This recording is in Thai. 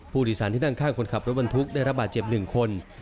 ผู้โดยสารที่นั่งข้างคนขับรถบรรทุกได้รับบาดเจ็บ๑คน